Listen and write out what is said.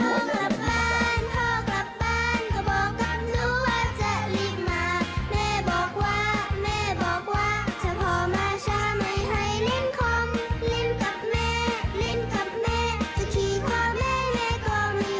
ก็บอกกับหนูบอกว่าจะรีบมา